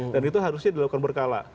dan itu harusnya dilakukan berkala